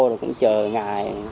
rồi cũng chờ ngày